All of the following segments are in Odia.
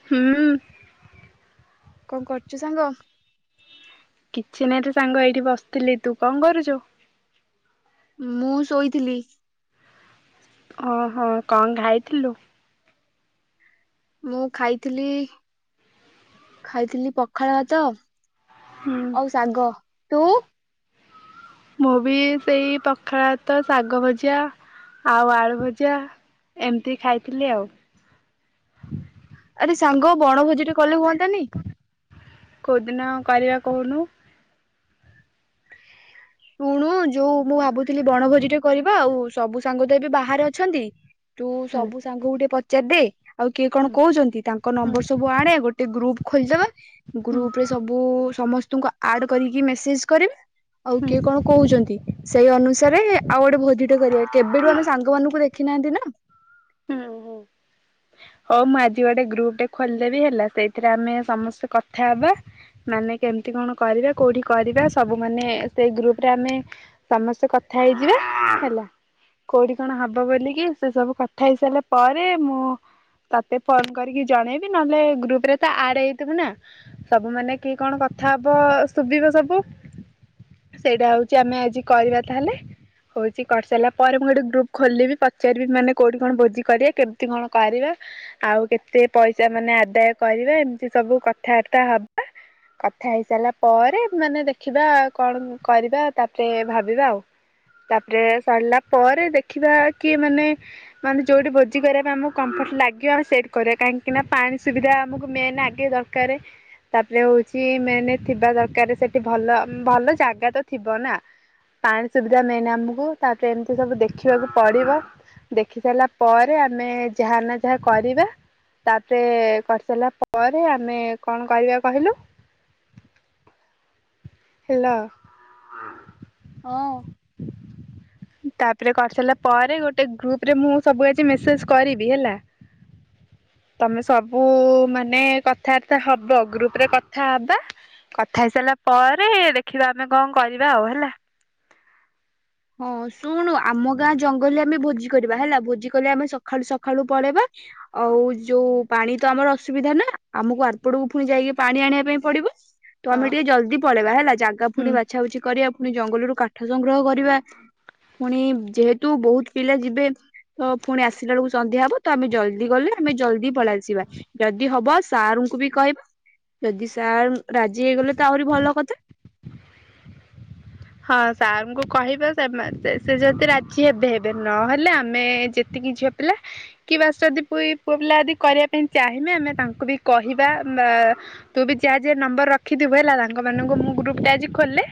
ହୁଁ। କଣ କରୁଛୁ ସାଙ୍ଗ? କିଛି ନାହିଁ ତ ସାଙ୍ଗ ଏଇଠି ବସିଥିଲି। ତୁ କଣ କରୁଛୁ? ମୁଁ ଶୋଇଥିଲି। ଓହୋ। କଣ ଖାଇଥିଲୁ? ମୁଁ ଖାଇଥିଲି ଖାଇଥିଲି ପଖାଳ ଭାତ। ହୁଁ। ଆଉ ଶାଗ। ତୁ? ମୁଁ ବି ସେଇ ପଖାଳ ଭାତ, ଶାଗ ଭଜା ଆଉ ଆଳୁ ଭଜା। ଏମିତି ଖାଇଥିଲି ଆଉ। ଆରେ ସାଙ୍ଗ ବଣଭୋଜି ଟେ କଲେ ହୁଅନ୍ତାନି? କଉଦିନ କରିବା କହୁନୁ? ହ ଶୁଣୁ ଯୋଉ ମୁଁ ଭାବୁଥିଲି ବଣଭୋଜି ଟେ କରିବା ଆଉ ସବୁ ସାଙ୍ଗ ତ ଏବେ ବାହାରେ ଅଛନ୍ତି। ତୁ ହୁଁ ସବୁ ସାଙ୍ଗକୁ ଟିକେ ପଚାରିଦେ ଆଉ କିଏ କଣ ହୁଁ କହୁଛନ୍ତି ତାଙ୍କ ହୁଁ ନମ୍ବର ସବୁ ଆଣେ ଗୋଟେ ଗ୍ରୁପ। ଖୋଲିଦବା ହୁଁ ଗ୍ରୁପରେ ସବୁ ସମସ୍ତଙ୍କୁ ଆଡ କରିକି ମେସେଜ କରିବା। ଆଉ କିଏ କଣ କହୁଛନ୍ତି ସେଇ ଅନୁସାରେ ଆଉ ଗୋଟେ ଭୋଜିଟେ କରିବା କେବେଠୁ ଆମେ ସାଙ୍ଗମାନଙ୍କୁ ଦେ ଖି ନାହାନ୍ତି ନା। ହୁଁ ହୁଁ [inaudible] ହଉ ମୁଁ ଆଜି ଗୋଟେ ଗ୍ରୁପଟେ ଖୋଲିଦେବି ହେଲା। ସେଇଥିରେ ଆମେ ସମସ୍ତେ କଥା ହବା। ମାନେ କେମିତି କଣ କରିବା? କୋଉଠି କରିବା ସବୁ ମାନେ ସେଇ ଗ୍ରୁପରେ ଆମେ ସମସ୍ତେ କଥା ହେଇଯିବେ ହେଲା। କୋଉଠି କଣ ହବ ବୋଲିକି, ସେ ସବୁ କ କଥା ହେଇ ସାରିଲା ପରେ ମୁଁ ତତେ ଫୋନ କରିକି ଜଣେଇବି, ନ ହେଲେ ଗ୍ରୁପରେ ତ ଆଡ୍ ହେଇଥିବୁ ନା। ସବୁ ମାନେ କିଏ କଣ କଥା ହବ ଶୁଭିବ ସବୁ? ସେଇଟା ହଉଛି ଆମେ ଆଜି କରିବା ତା ହେଲେ। କଉଛି କରିସାରିଲା ପରେ ମୁଁ ଗୋଟେ ଗ୍ରୁପ୍ ଖୋଲିବି, ପଚାରିବି ମାନେ କୋଉଠି କଣ ଭୋଜି କରିବା? କେମିତି କଣ କରିବା? ଆଉ କେତେ ପଇସା ମାନେ ଆଦାୟ କରିବା, ଏମିତି ସବୁ କଥାବାର୍ତ୍ତା ହବା? କଥା ହେଇସାରିଲା ପରେ ମାନେ ଦେଖିବା କଣ କରିବା? ତା ପରେ ଭାବିବା ଆଉ। ତା ପରେ ସାରିଲା ପରେ ଦେଖିବା କିଏ ମାନେ ମାନେ ଯୋଉଠି ଭୋଜି କରିବା ପାଇଁ ଆମକୁ କମ୍ଫର୍ଟ ଲାଗିବ ଆଉ ସେଇଠି କରିବା। କାହିଁକିନା ପାଣି ସୁବିଧା ଆମକୁ ମେନ୍ ଆଗେ ଦ ରକାରେ ତା ପରେ ହଉଛି ମେନ୍ ଥିବା ଦରକାର ସେଠି ଭଲ। ଭଲ ଜାଗା ତ ଥିବ ନା। ପାଣି ସୁବିଧା ମେନ୍ ଆମକୁ ତା ପରେ ଏମିତି ସବୁ ଦେଖିବାକୁ ପଡିବ। ଦେଖି ସାରିଲା ପରେ ଆମେ ଯାହା ନା ଯାହା କରିବା। ତା ପେରେ କରିସାରିଲା ପରେ, ଆମେ କଣ କରିବା କହିଲୁ? ହ୍ୟାଲୋ। ହଁ। ତା ପରେ କରିସାରିଲା ପରେ ଗୋଟେ ଗ୍ରୁପରେ ମୁଁ ସବୁ ଆଜି ମେସେଜ କରିବି ହେଲା। ତମେ ସବୁ ମାନେ କଥାବାର୍ତ୍ତା ହବ ଗ୍ରୁପରେ କଥା ହବା। କଥା ହେଇସାରିଲା ପରେ ଦେଖିବା, ଆମେ କଣ କରିବା ଆଉ ହେଲା? ହଁ ଶୁଣୁ ଆମ ଗାଁ ଜଙ୍ଗଲରେ ଆମେ ଭୋଜି କରିବା ହେଲା ଭୋଜି କଲେ ଆମେ ସକାଳୁ ସକାଳୁ ପଳେଇବା। ଆଉ ଯୋଉ ପାଣି ତ ଆମର ଅସୁବିଧା ନା ଆମକୁ ଆରପଟକୁ ପୁଣି ଯାଇକି ପାଣି ଆଣିବା ପାଇଁ ପଡିବ। ତ ହଁ ଆମେ ଟିକେ ଜଲଦି ପଳେଇବା ହେଲା। ଜାଗା ହୁଁ ପୁଣି ବାଛା ବୁଛି କରିବା। ପୁଣି ଜଙ୍ଗଲରୁ କାଠ ସଂଗ୍ରହ କରିବା। ପୁଣି ଯେହେତୁ ବହୁତ ପିଲା ଯିବେ ତ ପୁଣି ଆସିଲା ବେଳକୁ ସନ୍ଧ୍ୟା ହବ। ତ ଆମେ ଜଲ୍ଦି ଗଲେ, ଆମେ ଜଲ୍ଦି ପଳେଇ ଆସିବା। ଯଦି ହବ ସାରଙ୍କୁ ବି କହିବା। ଯଦି ସାର୍ ରାଜି ହେଇଗଲେ ତ ଆହୁରି ଭଲ କଥା। ହଁ ସାର ଙ୍କୁ କହିବା। ସେ ସେ ଯଦି ରାଜି ହେବେ ହେବେ, ନ ହେଲେ ଆମେ ଯେତିକି ଝିଅ ପିଲା କି ବାସ୍ ଯଦି ପୁଇ-ପୁଅ ପିଲା ଯଦି କରିବା ପାଇଁ ଚାହିଁବେ, ଆମେ ତାଙ୍କୁ ବି କହିବା ବା ତୁ ବି ଯାହା ଯାହା ନମ୍ବର ରଖିଥିବୁ ହେଲା, ସାଙ୍ଗମାନଙ୍କୁ ମୁଁ ଗ୍ରୁପଟା ଆଜି ଖୋଲେ।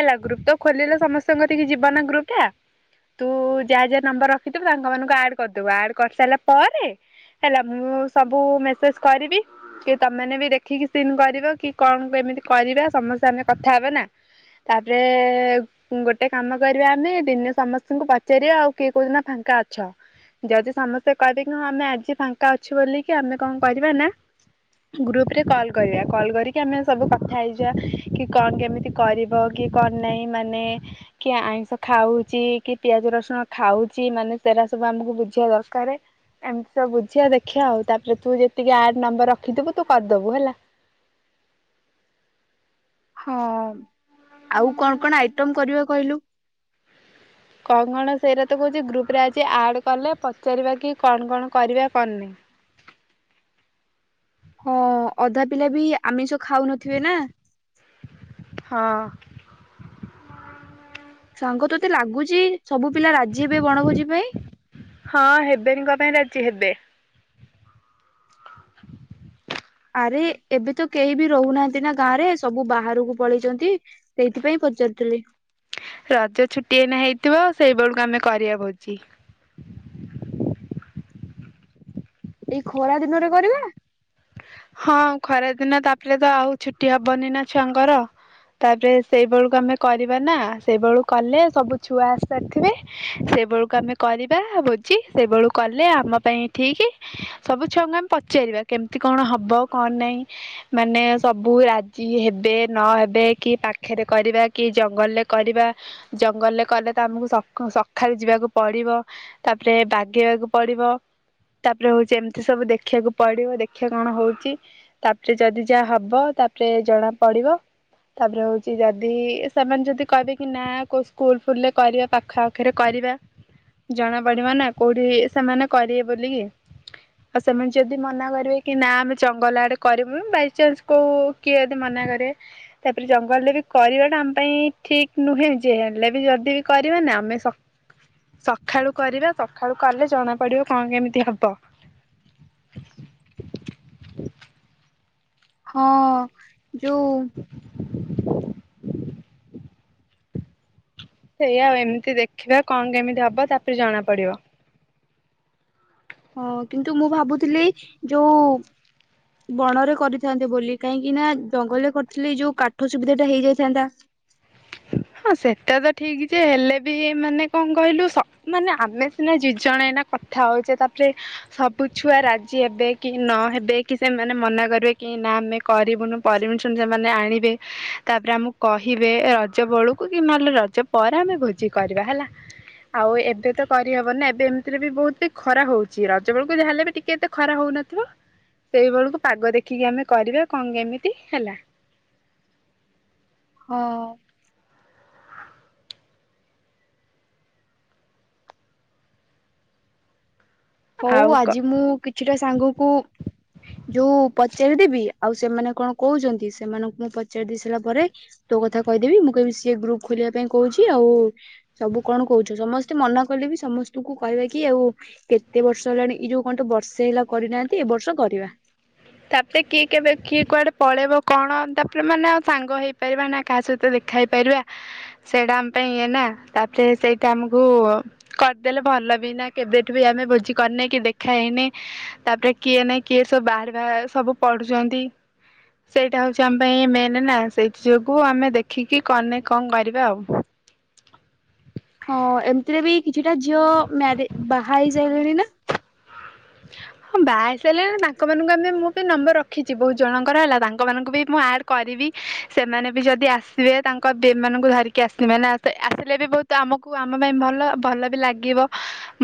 ହେଲା। ଗ୍ରୁପ୍ ତ ଖୋଲିଲେ ସମସ୍ତଙ୍କ କତିକି ଯିବନା ଗ୍ରୁପ ଟା। ତୁ ଯାହା ଯାହା ନମ୍ବର ରଖିଥିବୁ, ତାଙ୍କ ମାନଙ୍କୁ ଆଡ କରିଦବୁ। ଆଡ୍ କରିସାରିଲା ପରେ ହେଲା। ମୁଁ ସବୁ ମେସେଜ କରିବି। କି ତମେ ମାନେ ବି ଦେଖିକି ସିନ୍ କରିବ କି କଣ କେମିତି କରିବା? ସମସ୍ତେ ଆମେ କଥା ହେବେ ନା। ତା ପେରେ ଗୋଟେ କାମ କରିବା, ଆମେ ଦିନେ ସମସ୍ତଙ୍କୁ ପଚାରିବା ଆଉ କିଏ କୋଉ ଦିନ ଫାଙ୍କା ଅଛ? ଯଦି ସମସ୍ତେ କହିବେ କି ହଁ, ଆମେ ଆଜି ଫାଙ୍କା ଅଛୁ, ବୋଲି କି ଆମେ କଣ କରିବା ନା ଗ୍ରୁପରେ କଲ୍ କରିବା। କଲ୍ କରିକି ଆମେ ସବୁ କଥା ହେଇଯିବା କି କଣ କେମିତି କରି ବ କି କଣ ନାହିଁ? ମାନେ କିଏ ଆଇଁଷ ଖାଉଛି କି ପିଆଜ ରସୁଣ ଖାଉଚି ମାନେ ସେରା ସବୁ ଆମକୁ ବୁଝିବା ଦରକାର? ଏମିତି ସବୁ ବୁଝିଆ ଦେଖିବା ଆଉ ତାପରେ ତୁ ଯେତିକି ଆଡ ନମ୍ବର ରଖିଥିବୁ ତୁ କରିଦବୁ ହେଲା। ହଁ ଆଉ କଣ କଣ ଆଇଟମ କରିବା କହିଲୁ? କଣ କଣ ସେଇଟା ତ କହୁଛି ଗ୍ରୁପରେ ଆଜି ଆଡ଼ କଲେ ପଚାରିବା କି କଣ କଣ କରିବା କଣ ନାଇଁ। ହଁ ଅଧା ପିଲା ବି ଆମିଷ ଖାଉନଥିବେ ନା ହଁ। ସାଙ୍ଗ ତୋତେ ଲାଗୁଛି ସବୁ ପିଲା ରାଜି ହେବେ ବଣଭୋଜି ପାଇଁ। ହଁ ହେବେନି କଣ ପାଇଁ ରାଜି ହେବେ। ଆରେ ଏବେ ତ କେହି ବି ରହୁନାହାନ୍ତି ନା ଗାଁ ରେ ସବୁ ବାହାରକୁ ପଳେଇଛନ୍ତି। ସେଇଥିପାଇଁ ପଚାରୁଥିଲି। ରଜଛୁଟି ଏଇନା ହେଇଥିବ ସେଇ ବେଳକୁ ଆମେ କରିଆ ଭୋଜି। ଏଇ ଖରା ଦିନରେ କରିବା। ହଁ ଖରାଦିନ ତାପରେ ତ ଆଉ ଛୁଟି ହବନି ନା ଛୁଆଙ୍କର। ତାପରେ ସେଇ ବେଳକୁ ଆମେ କରିବା ନା ସେଇ ବେଳକୁ କଲେ ସବୁଛୁଆ ଆସି ସାରିଥିବେ। ସେ ବେଳକୁ ଆମେ କରିବା ଭୋଜିି ସେ ବେଳକୁ କଲେ ଆମ ପାଇଁ ଠିକି ସବୁ ଛୁଆଙ୍କୁ ଆମେ ପଚାରିବା କେମିତି କଣ ହବ କଣ ନାହିଁ। ମାନେ ସବୁ ରାଜି ହେବେ ନହେବେ କି ପାଖରେ କରିବା କି ଜଙ୍ଗଲରେ କରିବା ଜଙ୍ଗଲରେ କଲେ ତ ଆମକୁ ସକ ସକାଳୁ ଯିବାକୁ ପଡିବ। ତାପରେ ବାଗେଇବାକୁ ପଡିବ, ତାପରେ ହଉଛି ଏମତି ସବୁ ଦେଖିବାକୁ ପଡିବ। ଦେଖ୍ ଦେକ୍ଷା କଣ ହଉଛି ତାପରେ ଯଦି ଯାହା ହବ ତାପରେ ଜଣା ପଡିବ। ତାପରେ ହଉଛି ଯଦି ସେମାନେ ଯଦି କହିବେ କି ନା କୋଉ ସ୍କୁଲ ଫୁଲରେ କରିବା ପାଖ ଆଖ ପାଖରେ କରିବା ଜଣା ପଡିବ ନା କୋଉଠି ସେମାନେ କରିବେ ବୋଲିକି। ଆଉ ସେମାନେ ଯଦି ମନା କରିବେ। କି ନା ଆମେ ଜଙ୍ଗଲ ଆଡେ କରମୁ ବାଇଚନ୍ସ କୋଉ କିଏ ଯଦି ମନା କରେ। ତାପରେ ଜଙ୍ଗଲରେ ବି କରିବା ଟା ଆମ ପାଇଁ ଠିକ ନୁହେଁ ଯେ ହେଲେ ବି ଯଦି ବି କରିବା ନା ଆମେ ସକ ସଖାଳୁ କରିବା ଶଖାଳୁ କଲେ ଜଣା ପଡିବ କଣ କେମିତି ହବ। ହଁ ଯୋଉ ସେଇଆ ଆଉ ଏମିତି ଦେଖିବା କଣ କେମିତି ହବ ତାପରେ ଜଣା ପଡିବ। ହଁ କିନ୍ତୁ ମୁଁ ଭାବୁଥିଲି ଯୋଉ ବଣରେ କରିଥାନ୍ତେ ବୋଲି କାହିଁକି ନା ଜଙ୍ଗଲରେ କରିଥିଲେଇ ଯୋଉ କାଠ ସୁବିଧା ଟା ହେଇଯାଇଥାନ୍ତା। ହଁ ସେଟା ତ ଠିକ ଯେ ହେଲେ ବି ମାନେ କଣ କହିଲୁ ମାନେ ଆମେ ସିନା ଯୁଜଣା ଏଇନା କଥା ହଉଛେ ତାପରେ ସବୁ ଛୁଆ ରାଜି ହେବେ କି ନ ହେବେ କି ସେମାନେ ମନା କରିବେ କି ନା ଆମେ କରିବୁନୁ ପରିମିଶନ ସେମାନେ ଆଣିବେ ତାପରେ ଆମକୁ କହିବେ ଏ ରଜ ବେଳକୁ କି ନହେଲେ ରଜ ପରେ ଆମେ ଭୋଜି କରିବା ହେଲା। ଆଉ ଏବେ ତ କରିହବ ନା ଏବେ ଏମିତିରେ ବି ବହୁତ ଖରାହଉଛି ରଜ ବେଳକୁ ଯାହା ହେଲେ ବି ଟିକେ ଖରା ହଉନଥିବ ସେଇ ବେଳକୁ ପାଗଦେଖିକି ଆମେ କରିବା କଣ କେମିତି ହେଲା। ହଁ। ହଉ ଆଉ କ ଆଜି ମୁଁ କିଛିଟା ସାଙ୍ଗ କୁ ଯୋଉ ପଚାରିଦେବି ଆଉ ସେମାନେ କଣ କହୁଛନ୍ତି ସେମାନଙ୍କୁ ମୁଁ ପଚାରି ଦେଇ ସାରିଲା ପରେ ତୋ କଥା କହିଦେବି ମୁଁ କହିବି ସିଏ ଗ୍ରୁପ ଖୋଲିବା ପାଇଁ କହୁଛି ଆଉ ସବୁ କଣ କହୁଛ ସମସ୍ତେ ମନା କଲେ ବି ସମସ୍ତଙ୍କୁ କହିବା କି ଆଉ କେ ଏତେବର୍ଷ ହେଲାଣି ଏଇଯୋଉ କଣ ତ ବର୍ଷେ ହେଲା କରିନାହାନ୍ତି ଏ ବର୍ଷ କରିବା। ତାପରେ କିଏ କେବେ କିଏ କୁଆଡେ ପଳେଇବ କଣ ତାପରେ ମାନେ ଆଉ ସାଙ୍ଗ ହେଇପାରିବ ନାହି। କାହା ସହିତ ଦେଖାହେଇପାରିବା ସେଇଟା ଆମ ପାଇଁ ଇଏ ନା ତାପରେ ସେଇଟା ଆମକୁ କରିଦେଲେ ଭଲବି ନା କେବେଠୁ ବି ଆମେ ଭୋଜିକରିନେ କି ଦେଖାହେଇନେ। ତାପରେ କିଏ ନାଇଁ କିଏ ସବୁ ବାହାର ବାହା ସବୁ ପଢୁଛନ୍ତି। ସେଇଟା ହେଉଛି ଆମ ପାଇଁ ମେନ୍ ନା ସେଇଥି ଯୋଗୁଁ ଆମେ ଦେଖିକି କଣ ନାଇ କଣ କରିବା ଆଉ। ହଁ ଏମିତିରେ ବି କିଛିଟା ଝିଅ-ଅ-ଅ ମ୍ୟାରେ ବାହା ହେଇ ସାଇଲେଣି ନା? [inaudible] ହଁ ବାହା ହେଇ ସାଲେନି ତାଙ୍କମାନଙ୍କୁ ଆମେ ମୁଁ ବି ନମ୍ବର ରଖିଛି ବହୁତ ଜଣଙ୍କର ହେଲା ତାଙ୍କମାନଙ୍କୁ ବି ମୁଁ ଆଡ୍ କରିବି ସେମାନେ ବି ଯଦି ଆସିବେ ତାଙ୍କ ବେବ୍ ମାନଙ୍କୁ ଧରିକି ଆସିବେ ନା ଆସ୍ ଆସିଲେ ବି ବହୁତ ତ ଆମକୁ ଆମ ପାଇଁ ଭଲ ଭଲ ବି ଲାଗିବ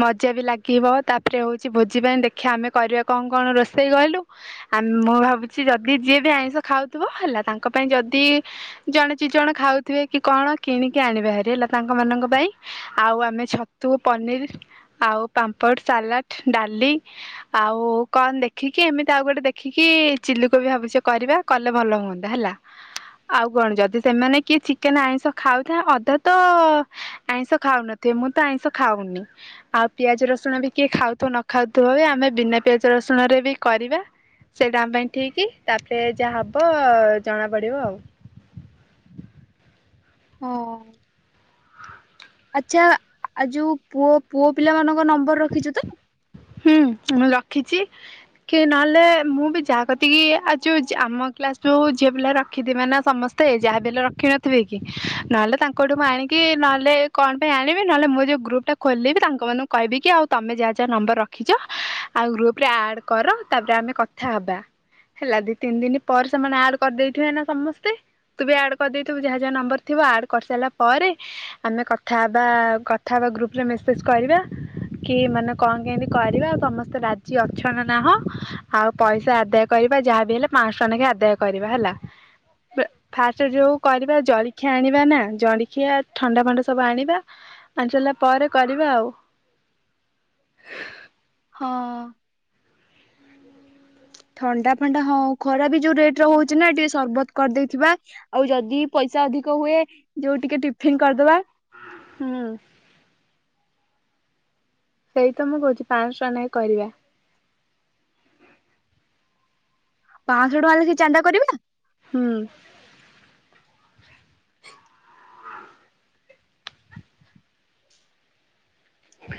ମଜା ବି ଲାଗିବ ତାପରେ ହଉଛି ଭୋ ଜି ପାଇଁ ଦେଖିବା ଆମେ କରିବା କଣ କଣ ରୋଷେଇ କହିଲୁ? ଆମ୍ ମୁଁ ଭାବୁଛି ଯଦି ଯିଏ ବି ଆଇଁଷ ଖାଉଥିବ ହେଲା ତାଙ୍କ ପାଇଁ ଯଦି-ଇ-ଇ ଜଣେ ଚି ଜଣ ଖାଉଥିବେ କି କଣ କିଣିକି ଆଣିବେ ହାରି ହେଲା ତାଙ୍କ ମାନଙ୍କ ପାଇଁ। ଆଉ ଆମେ ଛତୁ, ପନିର, ଆଉ ପାମ୍ପଡ଼, ସାଲାଡ଼ ଡାଲି ଆଉ-ଉ-ଉ କଣ ଦେଖିକି ଏମିତି ଆଉ ଗୋଟେ ଦେଖିକି-ଇ-ଇ ଚିଲି କୋବି ଭାବୁଛି କରିବା କଲେ ଭଲ ହୁଅନ୍ତା ହେଲା। ଆଉ କଣ ଯଦି ସେମାନେ କିଏ ଚିକେନ ଆଇଁଷ ଖାଉଥାଏ ଅଧା ତ-ଅ-ଅ-ଅ ଆଇଁଷ ଖାଉନଥିବେ ମୁଁ ତ ଆଇଁଷ ଖାଉନି ଆଉ ପିଆଜ, ରସୁଣ ବି କିଏ ଖାଉଥ ନ ଖାଉଥୁବ ବି ଆମେ ବିନା ପିଆଜ ରସୁଣ ରେ ବି କରିବା। ସେଇଟା ଆମ ପାଇଁ ଠିକ ତାପରେ ଯାହା ହବ-ଅ-ଅ-ଅ ଜଣା ପଡିବ। ହଁ। ଆଚ୍ଛା ଆ ଯୋଉ ପୁଅ ପୁଅ ପିଲାମାନାନଙ୍କ ନମ୍ବର ରଖିଛୁ ତ? ହୁଁ ମୁଁ ରଖିଛି। କି ନହେଲେ ମୁଁ ବି ଯାହା କତିକିି ଆ ଯୋଉ ଆମ କ୍ଲାସ ଯୋଉ ଝିଅ ପିଲା ରଖିଥିବେ ନା ସମ ତେ ଯାହା ବି ହେଲେ ରଖିନଥିବେ କି ନହେଲେ ତାଙ୍କଠୁ ମୁଁ ଆଣିକି ନହେଲେ କଣ ପାଇଁ ଆଣିବି ନହେଲେ ମୁଁ ଯୋଉ ଗ୍ରୁପ୍ ଟା ଖୋଲିବି ତାଙ୍କ ମାନଙ୍କୁ କହିବି କି ଆଉ ତମେ ଯାହା ଯାହା ନମ୍ବର ରଖ ରଖିଛ ଆଉ ଗ୍ରୁପରେ ଆଡ କର ତାପରେ ଆମେ କଥା ହବା। ହେଲା ଦି ତିନି ଦିନ ପରେ ସେମାନେ ଆଡ କରିଦେଇଥିବେ ନା ସମସ୍ତେ। ତୁ ବି ଆଡ କରିଦେଇଥିବୁ ଯାହା ଯାହା ନମ୍ବର ଥିବ ଆଡ କରି ସାରିଲା ପରେ ଆମେ କଥା ହେବା-ଆ-ଆ କଥା ହବା ଗ୍ରୁପ ରେ ମେସେଜ କରିବା କି ମାନେ କଣ କେମତି କରିବା ଆଉ ସମସ୍ତେ ରାଜି ଅଛ ନା ନାହଁ ଆଉ ପଇସା ଆଦାୟ କରିବା ଯାହାବି ହେଲେ ପାଁଶହ ଟଙ୍କା ଲେଖେ ଆଦାୟ କରିବା ହେଲା। ହଁ ପ୍ର ଫାଷ୍ଟ ରେ ଯୋଉ କରିବା ଜଳଖିଆ ଆଣିବା ନା ଜଳଖିଆ ଥଣ୍ଡା ଫଣ୍ଡା ସବୁ ଆଣିବା। ଆଣିଚାଇଲା ପରେ କରିବା ଆଉ। ହଁ। ଥଣ୍ଡା ଫଣ୍ଡା ହଁ ଖରା ବି ଯୋଉ ରେଟରେ ହଉଛି ନା ଟିକେ ସରବତ କରିଦେଇଥିବା। ଆଉ ଯଦି ପଇସା ଅଧିକ ହୁଏ ଯୋଉ ଟିକେ ଟିଫିନ କରିଦବା। ହୁଁ। ସେଇ ତ ମୁଁ କହୁଛି ପାଆଁଶହ ଟଙ୍କା ନାଇ କରିବା। ପାଆଁ ଶହ ଟଙ୍କା ଲେଖେ ଚାନ୍ଦା କରିବା? ହୁଁ। ହ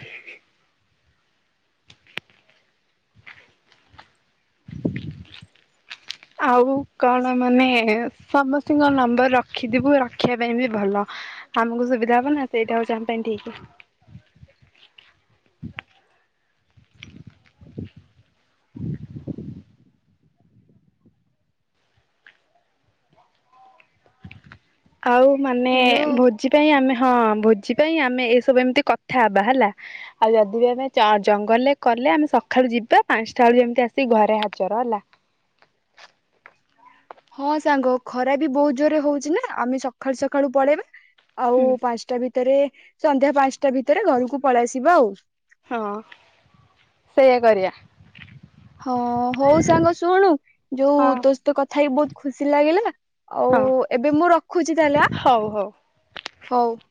ଆଉ କଣ ମାନେ-ଏ-ଏ ସମସ୍ତଙ୍କ ନମ୍ବର ରଖିଥିବୁ ରଖିବା ପାଇଁ ବି ଭଲ। ଆମକୁ ସୁବିଧା ହବ ନା ସେଇଟା ହଉଛି ଆମ ପାଇଁ ଠିକ୍। ଆଉ ମାନେ-ଏ-ଏ ହ୍ୟାଲୋ ଭୋଜି ପାଇଁ ଆମେ ହଁ ଭୋଜି ପାଇଁ ଆମେ ଏସବୁ ଏମିତି କଥା ହବା ହେଲା। ଆଉ ଯଦି ବି ଆମେ ଜ ଜଙ୍ଗଲରେ କଲେ ଆମେ ସକାଳୁ ଯିବା ପାଞ୍ଚଟା ବେଳୁ ଯେମିତି ଆସିକି ଘରେ ହାଜର ହେଲା। ହଁ ସାଙ୍ଗ ଖରା ବି ବୋହୁତ ଜୋରରେ ହୋଉଛି ନା ଆମେ ସଖାଳୁ ସଖାଳୁ ପଳେଇବା। ଆଉ ହୁଁ ପାନ୍ଟା ଭିତରେ ସନ୍ଧ୍ୟା ପାନ୍ଟା ଭିତରେ ଘରୁକୁ ପଳେଇ ଆସିବା ଆଉ। ହଁ ସେୟା କରିଆ। ହଁ ହୋଉ ସାଙ୍ଗ ଶୁଣୁ ଯୋଉ ହଁ ତୋ ସଇତ କଥା ହେଇକି ବୋହୁତ ଖୁସି ଲାଗିଲା। ଆଉ ହଁ ଏବେ ମୁଁ ରଖୁଚି ତାହେଲେ ଆଁ ହଉ ହଉ। ହୋଉ।